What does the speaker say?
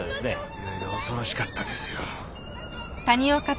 いろいろ恐ろしかったですよ。